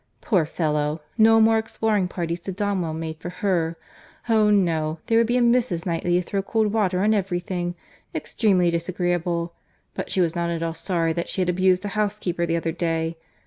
—Poor fellow!—No more exploring parties to Donwell made for her. Oh! no; there would be a Mrs. Knightley to throw cold water on every thing.—Extremely disagreeable! But she was not at all sorry that she had abused the housekeeper the other day.